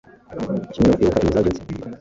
kimwe no kwibuka inyoni zabyutse